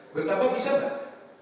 bertampak bisa gak